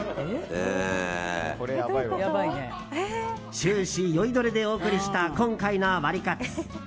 終始酔いどれでお送りした今回のワリカツ。